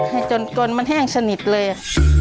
ให้จนมันแห้งสนิทเลย